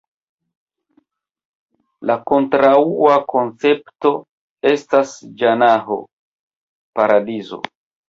La kontraŭa koncepto estas Ĝanaho (paradizo).